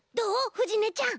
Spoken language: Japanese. ふじねちゃん。